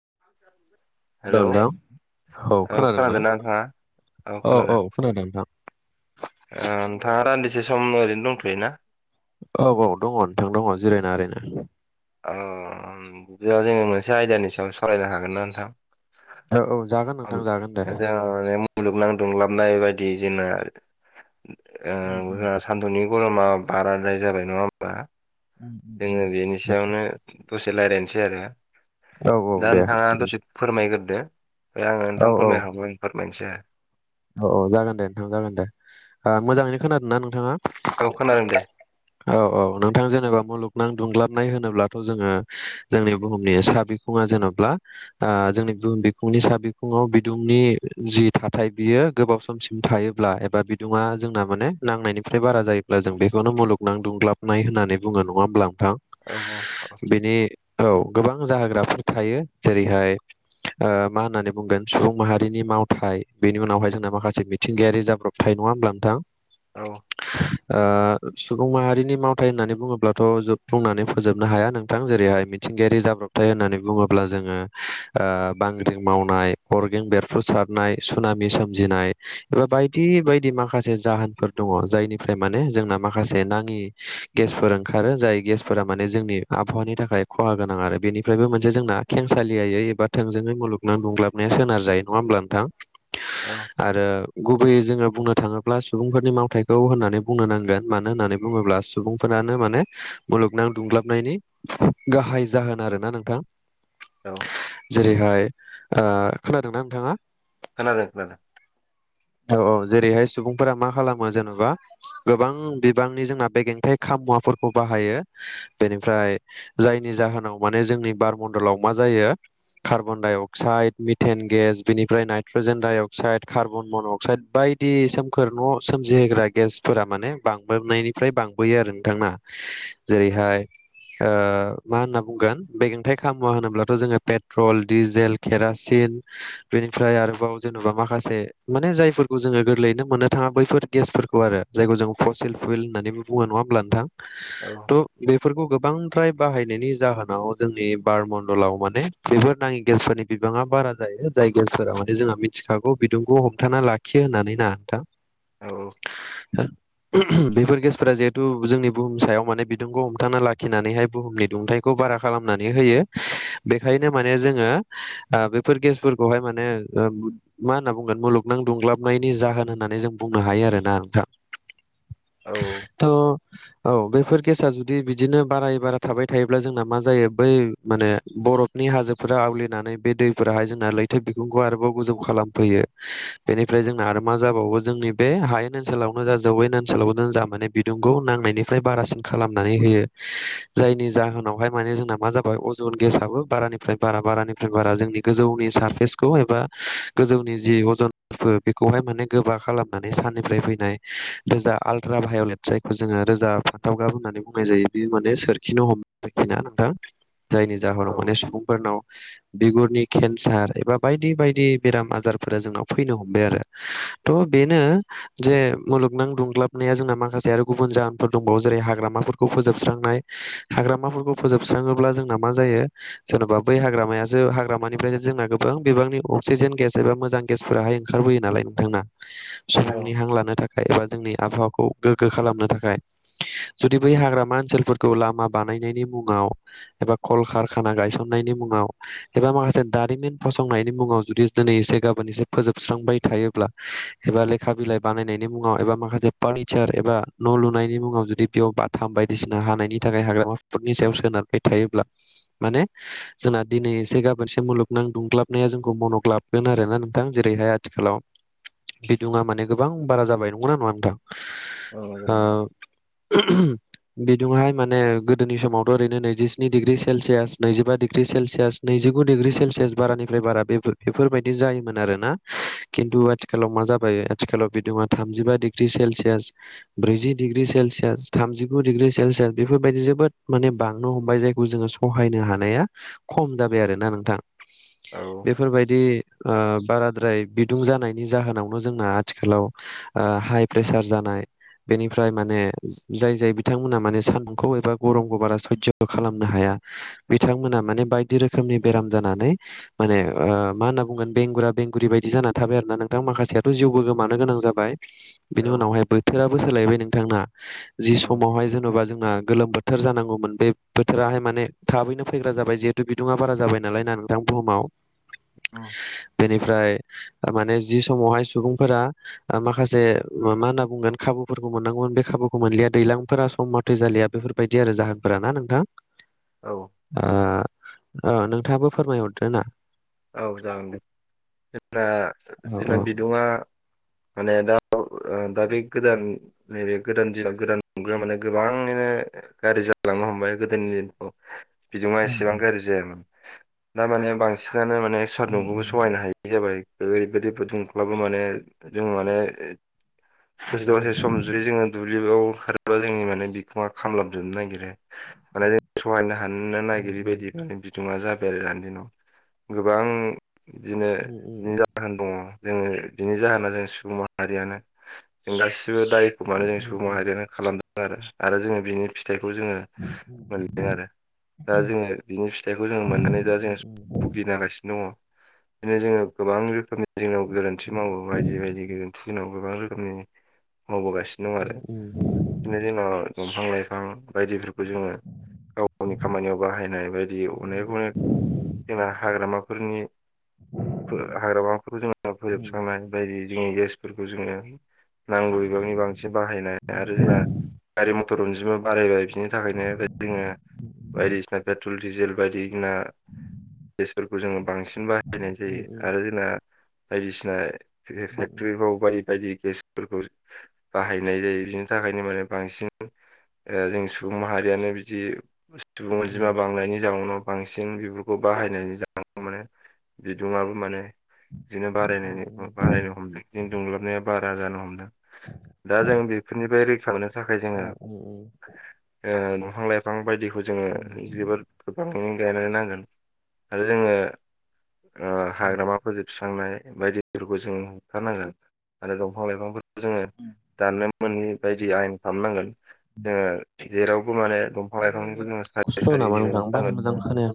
[inaudible] औ हेलौ नोंथां औ खोनादों ना औ खोनादों ओ नोंथाङा रान्दिसे सम ओरैनो दंथयोना औ औ दङ नोंथां दङ जिरायना ओरैनो औ बि जोङो मोनसे आयदानि सायाव सालायनो हागोन ना नोंथां औ औ जागोन नोंथां जागोन दे दा जोंहा ओरै मुलुगनां दुंग्लाबनाय बायदि जोंना उम ओ उम सानथुनि गरमा बाराद्राय जाबाय नङा होमबा उम उम उम। जोङो बेनि सायावनो दसे रायज्लायनोसै आरो औ औ दा दे नोंथाङा दसे फोरमायग्रो दो ओमफाय आङो औ नोंथां फोरमायखांबा फोरमायनोसै आरो औ औ जागोन दे नोंथां जागोन दे ओ मोजाङैनो खोनादों ना नोंथाङा औ खोनादों दे औ औ नोंथां जेनेबा मुलुगनां दुंलाब नाय होनोब्लाथ' जोङो जोंनि बुहुमनि सा बिखुङा जेन'बा ओ जोंनि बुहुम बिखुंनि नि सा बिखुङाव बिदुंनि जि थाथाय बियो गोबाव समसिम थायोब्ला एबा बिदुङा जोंना माने नांनायनिफ्राय बारा जायोब्ला जों बेखौनो मुलुग नां दुंग्लाबनाय होननानै बुङो नङा होमब्ला नोंथां औ बेनि औ गोबां जाहोग्राफोर थायो जेरैहाय ओ मा होननानै बुंगोन सुबुं माहारिनि मावथाय बेनि उनावहाय जोंना माखासे मिथिंगायारि जाब्रबथाय नङा होमब्ला नोंथां औ ओ सुबुं माहारिनि मावथाय होननानै बुङोब्लाथ' जो बुंनानै फोजोबनो हाया नोंथां जेरैहाय मिथिंगायारि जाब्रबथाय होननानै बुङोब्ला जोङो ओ बांग्रिं मावनाय अगें बेरफ्रु सारनाय सुनामि सोमजिनाय एबा बायदि बायदि माखासे जाहोनफोर दङ जायनिफ्राय माने जोंना माखासे नाङि गेसफोर ओंखारो जाय गेसफोरा माने जोंनि आबहावानि थाखाय खहा गोनां आरो बेनिफ्रायबो मोनसे जोंना खेंसालियायै एबा थोंजोङै मुलुगना नुंग्लाबनाया सोनार जायो नङा होमब्ला नोंथां औ आरो गुबैयै जोङो बुंनो थाङोब्ला सुबुंफोरनि मावथायखौ होननानै बुंनो नांगोन मानो होननानै बुङोब्ला सुबुंफोरा माने मुलुगनां दुंग्लाबनायनि गाहाय जाहोन आरोना नोंथां औ जेरैहाय ओ खोनादोंना नोंथाङा खोनादों खोनादों औ औ जेरैहाय सुबुंफोरा मा खालामो जेनेबा गोबां बिबांनि जोंना बेगेंथाइ खाम मुवाफोरखौ बाहायो बेनिफ्राय जायनि जाहोनाव माने जोंनि बारमण्डलाव मा जायो यो carbon dioxide methane gas बिनिफ्राय nitrogen dioxide carbon monoxide बायदि सोमखोर न' सोमजिहोग्रा गेसफोरा माने बांबोनायनिफ्राय बांबोयो आरो नोंथां ना जेरै औ हाय ओ मा होनना बुंगोन बेगेंथाइ खामुवा होनोब्लाथ' जोङो पेट्रल डिजेल केरासिन बे बेनिफ्राय आरोबाव जेनेबा माखासे माने जायफोरखौ जोङो गोरलैयैनो मोननो थाङा बैफोर गेसफोरखौ आरो जायखौ जोङो फसिल फुइल होननानै बुङो नङा नङा होमब्ला नोंथां औ थ' बेफोरखौ गोबां फ्राय बाहायनायनि जाहोनाव जोंनि बारमण्डलाव माने बेफोर नाङि गेसफोरनि बिबाङा बारा जायो। जाय गेसफोरा माने जोंहा मिथिखागौ बिदुं हमथाना लाखियो होननानै ना नोंथां? औ ओहोम बेफोर गेसफोरा जिहेथु जोंनि बुहुम सायाव माने बिदुंखौ हमथाना लाखिनानैहाय बुहुमनि दुंथाइखौ बां बारा खालामनानै होयो बेखायनो माने जोङो ओ बेफोर गेसफोरखौहाय माने मा मा होनना बुंगोन मुलुगनां दुंग्लाबनायनि जाहोन होननानै जों बुंनो हायो आरोना नोंथां। औ औ। थ' औ बेफोर गेसा जुदि बिदिनो बाराय बारा थाबाय थायोब्ला जोंना मा जायो बै माने बरफनि हाजोफोरा आवलिनानै बे दैफोराहाय जोंना लैथो बिखुंखौ आरोबाव गोजौ खालाम फैयो बेनिफ्राय जोंना आरो मा जाबावो जोंनि बे हायेन ओनसोलावनो जा जौैयेन ओनसोलावबो जा माने बिदुंखौ नांनायनिफ्राय बारासिन खालामनानै होयो जायनि जाहोनावहाय माने जोंना मा जाबाय अजन गेसाबो बारानिफ्राय बारा बारानिफ्राय बारा जोंनि गोजौनि सारफेसखौ एबा गोजौनि जि अजनफोर बेखौहाय माने गोबा खालामनानै साननिफ्राय फैनाय गोजा आलट्रा भायलेट जायखौ जोङो रोजा फाथाव गाब होननानै बुंनाय जायो बे माने सोरखिनो हमखै ना नोंथां? जायनि जाहोनाव माने औ सुबुंफोरनाव बिगुरनि केन्सार एबा बायदि-बायदि। बेराम आजारफोरा जोंनाव फैनो हमबाय थ' बेनो जे मुलुगनां दुंग्लाबनाय [unintelligible] माखासे गुबुन जाहोनफोर दंबावो जेरै हाग्रामाफोरखौ फोजोबस्रांनाय हाग्रामाफोरखौ फोजोबस्रां ङोब्ला जोंना मा जायो जेनबा बै हाग्रामाया जो हाग्रामानिफ्रायनो जोंना गोबां बिबांनि अक्सिजेन गेस एबा मोजां गेसफोराहाय ओंखारबोयो नालाय नोंथां ना सुबुंनि औ हां लानो थाखाय एबा जोंनि आबहावाखौ गोग्गो खालामनो थाखाय। जुदि बै हाग्रामा ओनसोलफोरखौ लामा बानायनायनि मुङाव एबा कलकारखाना गायसन नायनि मुङाव एबा माखासे दारिमिन फसंनायनि मुङाव जुदि दिनै एसे गाबोन एसे फोजोबस्रांबाय थायोब्ला एबा लेखा बिलाइ बानायनायनि मुङाव एबा माखासे फार्निचार एबा न' लुनायनि मुङाव जुदि बेयाव बाथाम बायदिसिना हानायनि थाखाय हाग्रामाफोरनि सायाव सो नार बाय थायोब्ला माने जोंना दिनै एसे गाबोनसे मुलुगनां दुंग्लाबनाया जोंखौ मनख ग्लाबगोन आरो ना नोंथां जेरैहाय आथिखालाव बिदुंआ माने गोबां बारा जाबाय नोंगौना नोङा नोंथां? औ नंगौ ओ नंगौ ओहोम बिदुंआ हाय माने गोदोनि समाव ओरै नैजिस्निडिग्रि सेलसियास नैजिबा डिग्रि सेलसियास नैजिगु दिग्रि सेलसियास बारानिफ्राय बारा बेफोर बेफोरबायदि जायोमोन आरोना खिन्थु आथिखालाव मा जाबाय आथिखालाव बिदुङा थामजिबा डिग्रिस सेलसियास ब्रैजि डिग्रि सेलसियास थामजिगु डिग्रि सेलसियास बेफोरबायदि जोबोद माने बां नो हमबाय जायखौ जोङो सहायनो हानाया खम जाबाय आरोना नोंथां? औ बे ओ बाराद्राय बिदुं जानायनि जाहोनावनो जोंना आथिखालाव ओ हाय प्रेसार जानाय बेनिफ्राय माने जाय-जाय बिथांमोना माने सान्दुंखौ एबा गरमखौ बारा सयज' खालामनो हाया बिथांमोना माने बायदि रोखोमनि बेराम जानानै माने ओ मा होनना बुंगोन बेंगुरा बेंगुरि बायदि जानानै थाबाय आरो ना नोंथां माखासेयाथ' जिउबो गोमानो गोनां जाबाय औ बिनि उनावहाय बोथोराबो सोलायबाय नोंथां ना जि उम समावहाय जेने'बा जों ओ गोलोम बोथोर जानांगौमोन बे बोथोराहाय माने थाबैनो फैग्रा जाबाय जिहेथु बिदुङा बारा जाबाय नालाय ना। नोंथां बुहुमाव। औ। बेनिफ्राय माने जि समावहाय सुबुंफोरा माखासे मा होनना बुंगोन खाबुफोरखौ मोननांगौमोन बे खाबुखौ मोनलिया दैलांफोरा सम मथै जालिया बेफोरबायदि आरो जाहोनफोर ना नोंथां। औ ओ ओ नोंथाङाबो फोरमायहरदो ना। औ जागोन दे जोंना औ जोंना औ बिदुङा माने दा ओ दा बे गोदान नैबे गोदान दिनाव गोदान [unintelligible] माने गोबाङैनो गाज्रि जालांनो हमबाय गोदोनि [unintelligible] बिदुङा एसेबां गाज्रि जायामोन दामाने बां सिनानो माने सादुंखौबो सहायनो हायि जाबाय बे ओरैबायदिफोर दुंख्लाबो माने जों माने दसे दसे सम जुदि जोङो दुलिबयाव ओंखारोबा जोंनि माने बिखङा खामलाबजोबनो नागिरो माने जों सहायनो हानोनो नागिरि बायदि माने बिदुङा जाबाय आरो दानि दिनाव गोबां बिदिनोनि जाहोन दङ जोङो बिनि जाहोना जों सुबुं माहारियानो जों गासि सिबो दायखौ मानो जों सुबुं माहारियानो खालामदों आरो जोङो बिनि फिथाइ खौ जोङो मोनदों आरो दा जोङो बिनि फिथाइखौ जोंङो मोननानै दा जोङो सिनो दङ बिदिनो जोङो गोबां रोखोमनि जोंनाव गोरोन्थि मावो बायदि बायदि गोरोन्थि जोंनाव गोबां रोखोमनि मावबोगासिनो दं आरो बिदिनो जोंनाव दंफां लाइफां बायदिफोरखौ जोङो गाव गावनि खामानियाव बाहायनाय बायदि अनेक अनेक जोंना हाग्रामाफोरनि हाग्रामाफोरखौ जेनबा फोजोबस्रांनाय बायदि जोंनि गेसफोरखौ जोङो नांगौ बिबांनि बांसिन बाहायनो आरो जोंना गारि म टर अनजिमा बारायबाय बिनि थाखायनो जोङो बायदिसिना बे पेट्रल डिजेल बायदिसिना गेस जोङो बांसिन बाहा बायनाय जायो आरो जोंना बायदिसिना फेक्टरिफ्राव बायदि बायदि गेसफोरखौ बाहायनाय जायो बिनि थाखायनो माने बांसिन ओ जों सुबुं माहारियानो बिदि सुबुं अनजिमा बांनायनि जाउनाव बांसिन बेफोरखौ बाहायनायनि जाहोनाव माने बिदुङाबो माने बिदिनो बाराय बारायनो हमदों दुंलाबनाया बारा जानो हमदों दा जों बेफोरनिफ्राय रैखा मोननो थाखाय जोङो ओ दंफां लाइफां बायदिखौ जोङो जोबोद गोबां फां गायनानै नांगोन आरो जोङो ओ हाग्रामाफोजो स्रांनाय बायदिफोरखौ जोङो होखारनांगोन आरो दंफां लाइफांफोरखौ जोङो दाननो मोनि बायदि आयेन खालामनांगोन जोङो जेरावबो माने दंफां लाइफांनिबो जोंडो सारि स्ल' सारि नामा जि नोंथां बारा जागोन मोजां खोनाया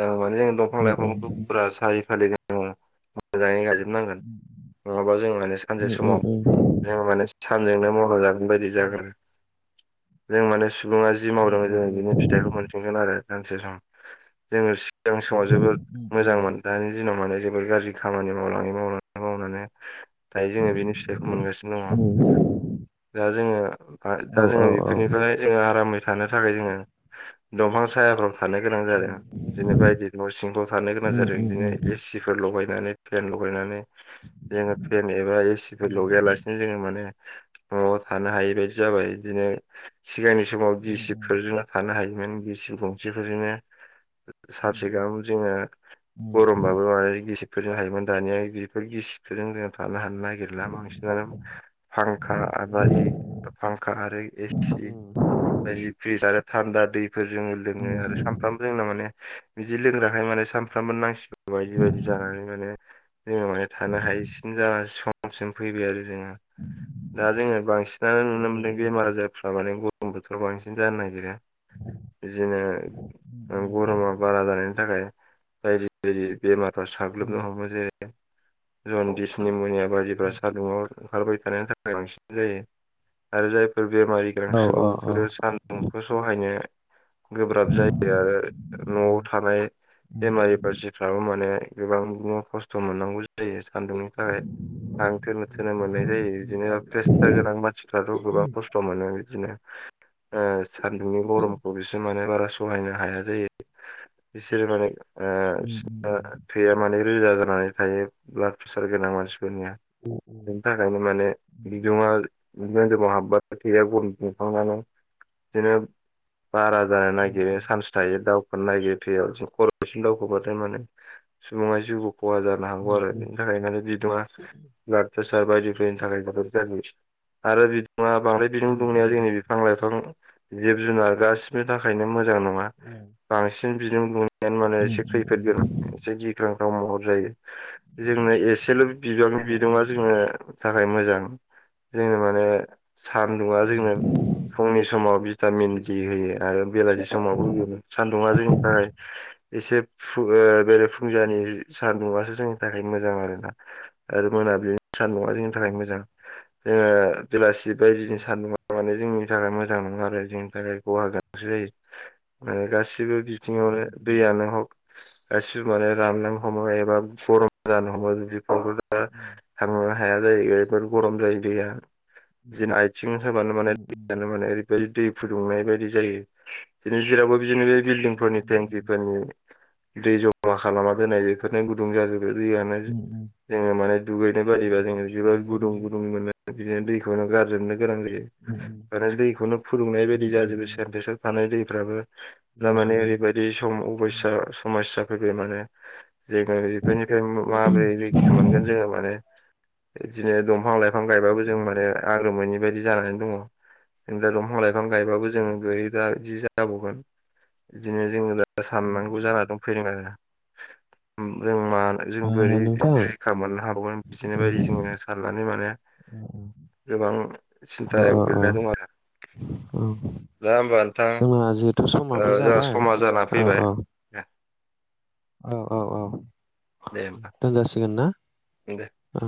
औ माने जों दंफां लाइफां फुरा सारि फालि मोजाङै गाज्रि नांगोन नङाबा जों मे सानसे समाव ज मे सानजोंनो मन जागो बेबायदि जागोन आरो जों माने सुबुंङा जि मावदों जोंङो बिदिनो फिथाइखौ मोनफिनगोन आरो सानसे सम जोङो सिगां समाव जोबोद मोजांमोन दानि दिनाव माने जोबोर गाज्रि खामानि मावलांङै मावलांङै मावनानै दायो जोङो बिनि फिथाइखौ मोनगासिनो दङ दा जोङो दा जोङो बेफोरनिफ्राय जोङो आरामै थानो थाखाय जोङो दंफां सायाफ्राव थानो गोनां जादों बिदिनो बायदि न' सिंफ्र्लाव थानो गोनां जादों बिदिनो एसिफोर लगायनानै फेन लगायनानै जोङो फेन एबा एसि फोर लगैयालासिनो जोङो माने न'आवबो थानो हायि बायदि जाबाय बिदिनो सिगांनि समाव बिसि फोरजोंनो थानो हायो गिसिब गंसे फोरजोंनो- सानसे गाहाम जोङो गरम बाबो माने फोरजोंनो हायोमोन दानिया बेफोर गिसिबफोरजों जों थानोनो नो नागिरला बांसिनानो फांखा आबादि फांखा आरो एसि फ्रिस आरो थान्दा दैफोर जोङो लोङो आरो सानफ्रामबो जोंना माने बिदि लोंग्राखाय माने सानफ्रामबो नांसिगौ बायदि बायदि जानानै माने जोङो माने थानो हायैसिन जाला समसिम फैबाय आरो दा जोङो बांसिनानो नुनो मोनदों बेमार आजारफ्रा माने कम्पुथाराव बांसिन जानो नागिरा बिदिनो गरमा बारा जानायनि थाखाय बायदि बायदि बेमारफाव साग्लोबनो हमो जेरै रनदिस निम'निया बायदिफ्रा सानदुंआव थाबाय थानायनि थाखाय बांसिन जायो आरो जाय बेमारि गोनां सुबुंफोरो सान्दुंखौ सहायनो गोब्राब जायो आरो न'आव थानाय बेमारि मानसिफ्राबो माने गोबांनो खस्थ' मोननांगौ जायो सानदुंनि थाखाय। हां थोनो थोनो मोननाय जायो बिदिनो प्रेसार गोनां मानसिफ्राथ' गोबां खस्थ' मोनो। इदिनो ओ सान्दुंनि गरमखौ बिसोर माने बारा सहायनो हाया जायो। बिसोरो माने ओ ओ थैया माने रोजा जानानै थायो ब्लाड प्रेसार गोनां मानसि [unintelligible] बेनि थाखायनो माने बिदुङा [unintelligible] बारा जानो नागिरो चान्स थायो दाउ [unintelligible] खर'सिम दावखोबाथाय माने सुबुङा जिउ खहा जानो हागौ आरो बेनि थाखाय माने बिदुंआ [unintelligible] प्रेसार बायदिफोरनि थाखाय [unintelligible] आरो बिदुङा बांद्राय बिदुं दुंनाया जोंनि बिफां लाइफां जिब जुनार गासिबोनि थाखायनो मोजां नङा बांसिन बिजों बुं [unintelligible] मोनो एसे खैफोद गोनां एसे गिख्रंथाव महर जायो जोंनो एसेल' गिबिआवनो बिदुंआ जोंनो थाखाय मोजां जों माने सानदुङा जोंनो फुंनि समाव भिटामिन दि होयो आरो बेलासि समावबो बेनो सान्दुङा जोंनि थाखाय एसे फु ओ बेरे फुंजनि सान्दाआ जोंनि थाखाय मोजां आरोना आरो मोनाबिलिनि सानदुङा जोंनि थाखाय मोजां। ओ बेलासि बायदिनि सान्दुंआ माने जोंनि थाखाय मोजां नङा आरो जोंनि थाखाय खहा गोनांसो जायो ओ गासि बो बिथिङावनो दैयानो हग गासिबो माने राननो हमो एबा [unintelligible] जानो हमो बिदिफ्रावथ' दा थांनो हाया जायो [unintelligible] गरम जायो दैया जेन आथिं होबानो माने दैयानो माने ओरैबायदि दै फुदुंनाय बायदि जायो दिनै जेरावबो बिदिनो बे बिल्डिंफोरनि थेंखिफोरनि दै जमा खालामना दोननाय बेफोरनो गुदुं जायो दैयानो जोङो माने दुगैनाय बादिबा जोङो जोबोद गुदुं गुदुं मोनो। बिदिनो दैखौ नों गारजोबनो गोनां जायो आरो दैखौनो फुदुंनाय बायदि जाजोबो सेनटेस थानाय दैफ्राबो थारमाने ओरैबायदि सम अबयस्या समस्या फैबाय माने जोङो बेफोरनिफ्राय माबोरै रैखा मोनगोन जोङो माने बिदिनो दंफां लाइ फां गायबाबो जों माने आगोर मोनै बायदि जानानै दङ। [unintelligible] दंफां लाय फां गायबाबो जों [unintelligible] बिदिनो जोङो दा साननांगौ जानानै दं फैदों ना ओम जों मा जों बोरै नोंथां अ रैखा मोननो हाबावगोन बिदिनो बायदि जोङो साननानै माने गोबां सिन्थायाव अ औ गोलैनानै दं आरो दा होमबा नोंथां जोंना जिहेथु समाबो ओ जोंहा जाबाय समा जाना औ फैबाय औ औ औ औ दे होमबा दोनजासिगोन ना? दे औ।